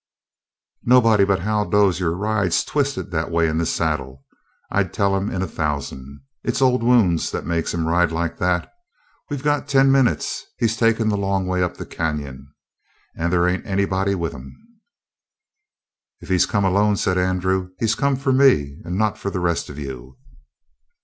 "Nobody but Hal Dozier rides twistin' that way in the saddle. I'd tell him in a thousand. It's old wounds that makes him ride like that. We got ten minutes. He's takin' the long way up the canyon. And they ain't anybody with him." "If he's come alone," said Andrew, "he's come for me and not for the rest of you."